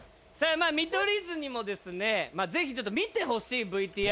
まあ見取り図にもですねまあぜひちょっと見てほしいＶＴＲ。